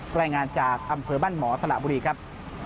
รายงานจากอำเภอบ้านหมอสละบุรีครับ